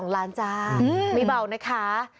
๒ล้านจ้าไม่เบานะคะ